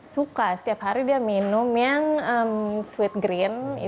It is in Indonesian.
suka setiap hari dia minum yang sweet green